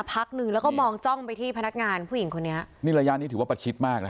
พักหนึ่งแล้วก็มองจ้องไปที่พนักงานผู้หญิงคนนี้นี่ระยะนี้ถือว่าประชิดมากนะ